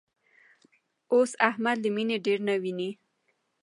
اوس احمد له مینې ډېر نه ویني.